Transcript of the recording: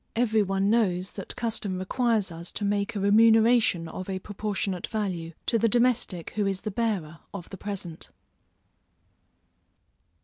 Every one knows that custom requires us to make a remuneration of a proportionate value, to the domestic who is the bearer of the present.